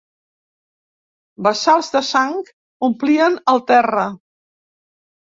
Bassals de sang omplien el terra.